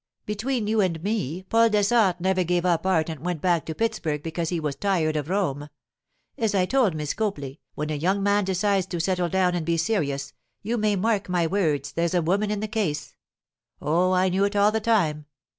'Between you and me, Paul Dessart never gave up art and went back to Pittsburg because he was tired of Rome. As I told Miss Copley, when a young man decides to settle down and be serious, you may mark my words there's a woman in the case. Oh, I knew it all the time.